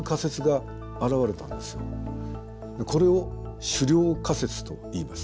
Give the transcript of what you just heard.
これを狩猟仮説といいます。